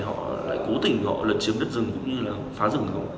họ lại cố tình họ lợi chiếm đất rừng cũng như là phá rừng không